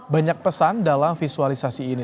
banyak pesan dalam visualisasi ini